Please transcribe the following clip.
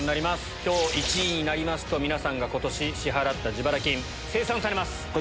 きょう１位になりますと、皆さんがことし支払った自腹金、精算されます。